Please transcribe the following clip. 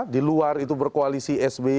di luar itu berkoalisi sby